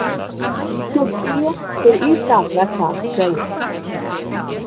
Tur tie, tur ir tās vecās sejas!